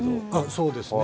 そうですね